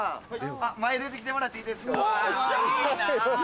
前出て来てもらっていいですか？